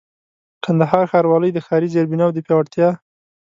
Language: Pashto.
کندهار ښاروالۍ د ښاري زېربناوو د پياوړتيا